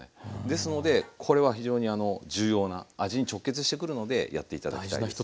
ですのでこれは非常に重要な味に直結してくるのでやって頂きたいです。